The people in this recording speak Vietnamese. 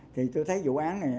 thì tôi thấy vụ án này